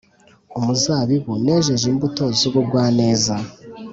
umuzabibu, nejeje imbuto z’ubugwaneza,